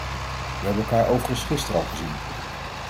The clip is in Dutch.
We hebben elkaar overigens gisteren al gezien.